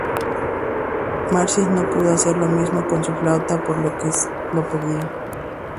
Marsias no pudo hacer lo mismo con su flauta, por lo que perdió.